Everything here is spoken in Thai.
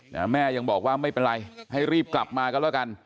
แม่ยังบอกว่าไม่เป็นไรให้รีบกลับมาก็แล้วกัน